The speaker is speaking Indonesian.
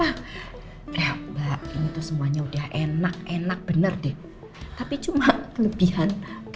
aku gak tau kamu ada apa gak